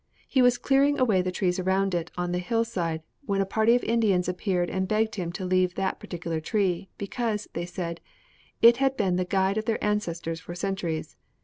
He was clearing away the trees around it on the hillside when a party of Indians appeared and begged him to leave that particular tree, because, they said, 'it had been the guide of their ancestors for centuries.'